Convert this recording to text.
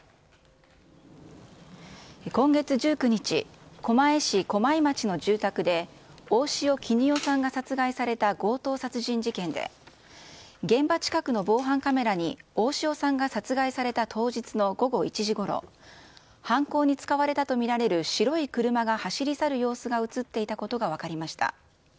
今月１９日、狛江市駒井町の住宅で大塩衣与さんが殺害された強盗殺人事件で、現場近くの防犯カメラに、大塩さんが殺害された当日の午後１時ごろ、犯行に使われたと見られる白い車が走り去る様子が写っていたことが分かりました。